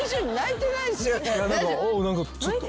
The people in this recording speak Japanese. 何かちょっと。